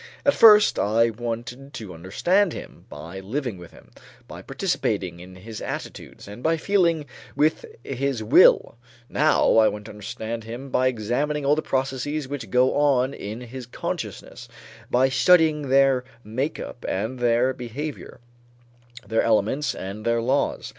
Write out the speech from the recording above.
At first, I wanted to understand him by living with him, by participating in his attitudes, and by feeling with his will; now I want to understand him by examining all the processes which go on in his consciousness, by studying their make up and their behavior, their elements and their laws.